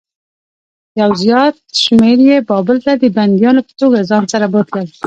یو زیات شمېر یې بابل ته د بندیانو په توګه ځان سره بوتلل.